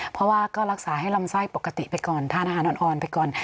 เพราะว่าก็รักษาให้ลำไส้ปกติไปก่อนทานอาหารอ่อนไปก่อน